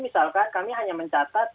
misalkan kami hanya mencatat